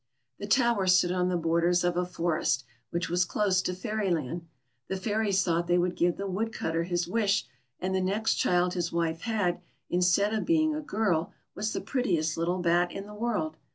The tower stood on the borders of a forest, which was close to Fairyland. The fairies thought they would give the Woodcutter his wish, and the next child his wife had, instead of being a girl, was the prettiest little bat in the world.